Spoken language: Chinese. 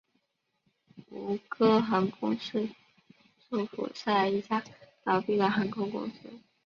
吴哥航空是柬埔寨一家倒闭的航空公司。